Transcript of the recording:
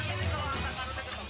nanti kalo harta karunnya ketemu